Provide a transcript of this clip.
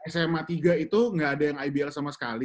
sma tiga itu nggak ada yang ibl sama sekali